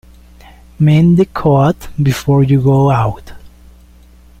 Mend the coat before you go out.